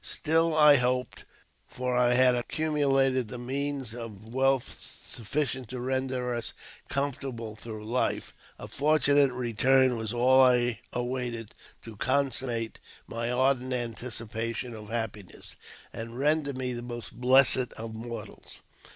Still I hoped, for I had accumulated the means of wealth sufficient to render us comfortable through life; d'l fortunate return was all I awaited to consummate my ardent ™' anticipation of happiness, and render me the most blessed of mortals.